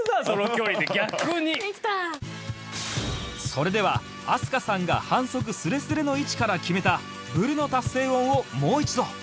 それでは飛鳥さんが反則スレスレの位置から決めたブルの達成音をもう一度